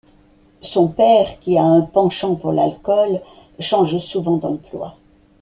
Son père, qui a un penchant pour l'alcool, change souvent d'emploi.